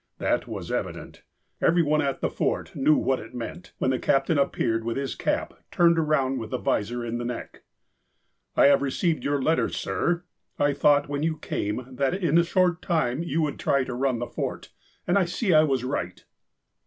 That was evident. Every one at the Fort knew what it meant, when the caj)tain appeared with his cap, turned around with the vizor in the neck. " I have received your letter, sir. I thought, when you came, that in a short time you would try to run the Fort, and I see I was right."